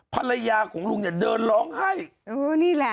ภรรยาของลุงเดินร้องให้